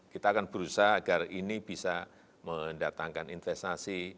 kita akan berusaha agar ini bisa mendatangkan investasi